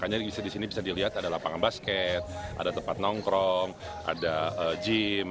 jadi kita lihat ada lapangan basket ada tempat nongkrong ada gym